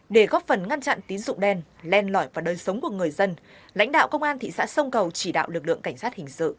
để góp phần ngăn chặn tín dụng đen len lỏi vào đời sống của người dân lãnh đạo công an thị xã sông cầu chỉ đạo lực lượng cảnh sát hình sự